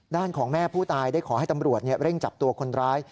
ของแม่ผู้ตายได้ขอให้ตำรวจเร่งจับตัวคนร้าย